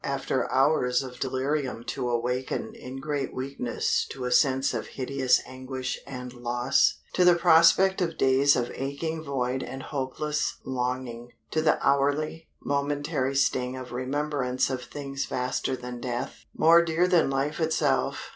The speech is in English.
After hours of delirium to awaken in great weakness to a sense of hideous anguish and loss to the prospect of days of aching void and hopeless longing, to the hourly, momentary sting of remembrance of things vaster than death, more dear than life itself?